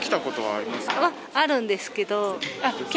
あるんですけど。